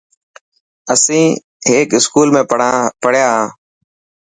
اسين هڪ اسڪول ۾ پڙهان ها.